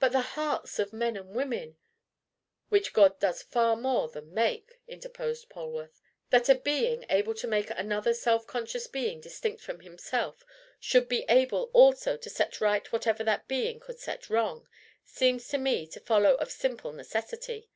"But the hearts of men and women!" "Which God does far more than make!" interposed Polwarth. "That a being able to make another self conscious being distinct from himself, should be able also to set right whatever that being could set wrong, seems to me to follow of simple necessity.